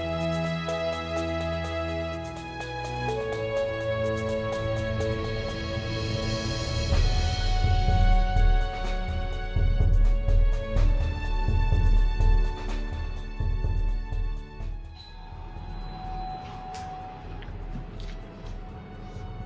สวัสดีครับ